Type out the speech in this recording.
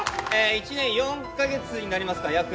１年４か月になりますか約。